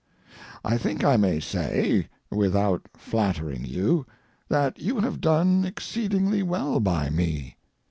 I think I may say, without flattering you, that you have done exceedingly well by me.